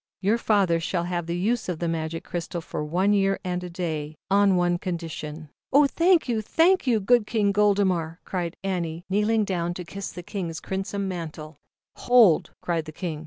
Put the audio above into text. "Your father shall have the use of the Magic Crystal for one year and day, on one condition "Oh, thank you! thank King Goldemar," cried V a ood kneelin ZAUBERLINDA, THE WISE WITCH. down to kiss the King's crimson mantle. "Hold!" cried the King.